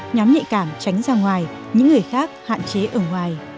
nhóm nhạy cảm tránh ra ngoài những người khác hạn chế ở ngoài